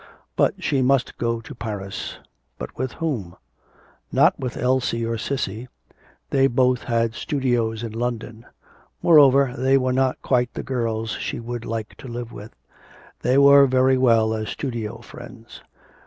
But she must go to Paris! but with whom? Not with Elsie or Cissy they both had studios in London. Moreover, they were not quite the girls she would like to live with; they were very well as studio friends.